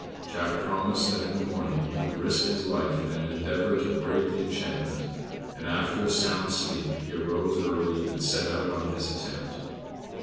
Jack promised that in the morning he would risk his life in an endeavor to break the enchantment; and, after a sound sleep, he arose early and set out on his attempt.